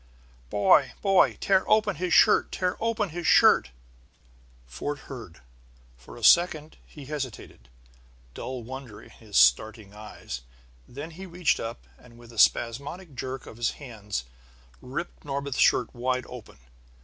"Boy! Boy! Tear open his shirt! Tear open his shirt!" Fort heard. For a second he hesitated, dull wonder in his starting eyes; then he reached up, and with a spasmodic jerk of his hands, ripped Norbith's shirt wide open.